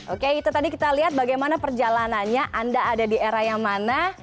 oke itu tadi kita lihat bagaimana perjalanannya anda ada di era yang mana